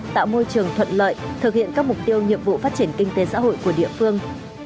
tạo môi trường thuận lợi thực hiện các mục tiêu nhiệm vụ phát triển kinh tế xã hội của địa phương